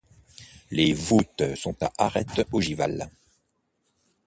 Les voûtes sont à arêtes ogivales.